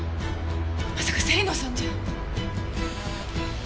まさか芹野さんじゃ。